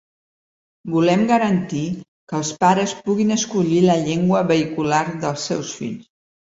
Volem garantir que els pares puguin escollir la llengua vehicular dels seus fills.